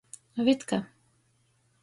Vitka.